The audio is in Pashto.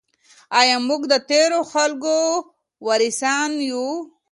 آیا موږ د تیرو خلګو وارثان یو؟